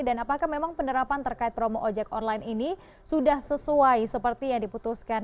dan apakah memang penerapan terkait promo ojek online ini sudah sesuai seperti yang diputuskan